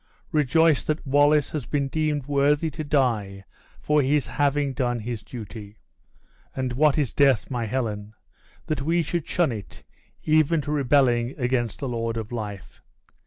Rejoice that Wallace has been deemed worthy to die for his having done his duty. And what is death, my Helen, that we should shun it, even to rebelling against the Lord of Life?